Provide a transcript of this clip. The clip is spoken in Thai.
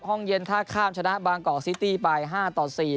ห้องเย็นท่าข้ามชนะบางกอกซิตี้ไป๕ต่อ๔